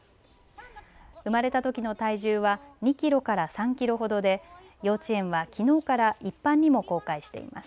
生まれたときの体重は２キロから３キロほどで幼稚園はきのうから一般にも公開しています。